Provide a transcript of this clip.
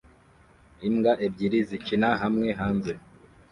Imbwa ebyiri zikina hamwe hanze